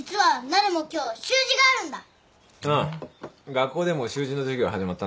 学校でも習字の授業始まったんだよな。